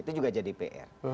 itu juga jadi pr